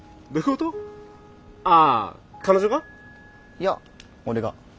いや俺が。